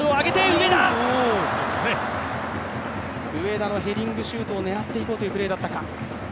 上田のヘディングシュートを狙っていこうというプレーだったか。